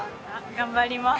頑張ります。